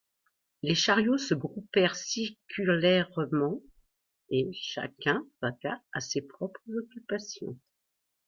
Les chariots se groupèrent circulairement, et chacun vaqua à ses propres occupations.